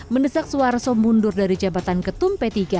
mendesak suharto mundur dari jabatan ketum p tiga